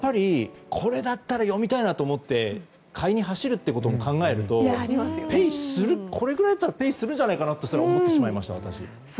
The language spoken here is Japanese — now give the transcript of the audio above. これだったら読みたいと思って買いに走るっていうことも考えるとこれぐらいだったらペイするんじゃないかなと思っちゃいました、私。